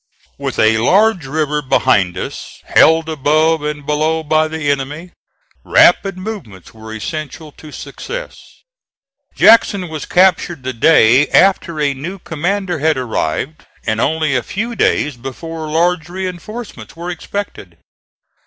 With a large river behind us, held above and below by the enemy, rapid movements were essential to success. Jackson was captured the day after a new commander had arrived, and only a few days before large reinforcements were expected.